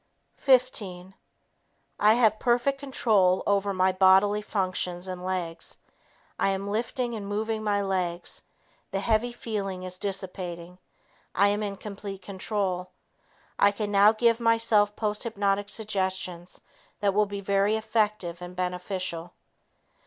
Fifteen ... I have perfect control over my bodily functions and legs; I am lifting and moving my legs; the heavy feeling is dissipating; I am in complete control; I can now give myself posthypnotic suggestions that will be very effective and beneficial."